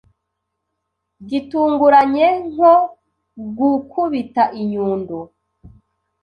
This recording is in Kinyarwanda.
gitunguranyenko gukubita inyundo